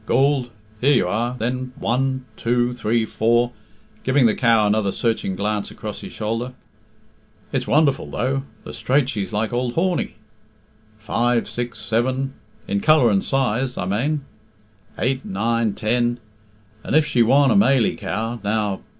Goold? Here you are, then one two three four..." (giving the cow another searching glance across his shoulder). "It's wonderful, though, the straight she's like ould Horney... five six seven... in colour and size, I mane... eight nine ten... and if she warn a mailie cow, now...